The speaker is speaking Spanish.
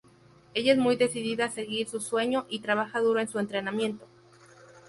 Ella es muy decidida a seguir su sueño y trabaja duro en su entrenamiento.